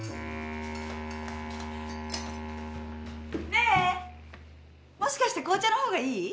ねえもしかして紅茶の方がいい？